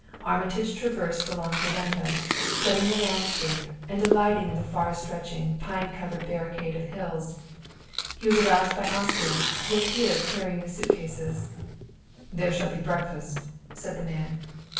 Armitage traversed the long veranda, studying the landscape, and delighting in the far stretching pine covered barricade of hills. He was aroused by Oscar, who appeared carrying the suit cases. "There shall be breakfast," said the man.